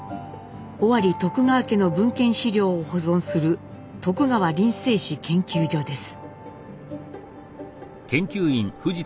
尾張徳川家の文献資料を保存する徳川林政史研究所です。